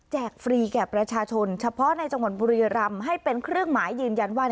ฟรีแก่ประชาชนเฉพาะในจังหวัดบุรีรำให้เป็นเครื่องหมายยืนยันว่า